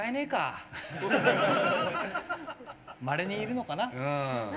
まれにいるのかな。